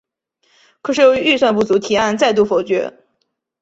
可是由于预算不足提案再度否决。